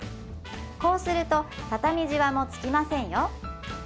こうすると畳みじわもつきませんよ